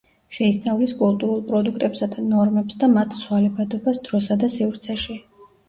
შეისწავლის კულტურულ პროდუქტებსა და ნორმებს და მათ ცვალებადობას დროსა და სივრცეში.